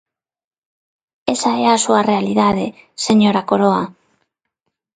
Esa é a súa realidade, señora Coroa.